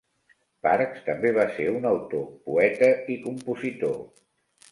Parks també va ser un autor, poeta i compositor.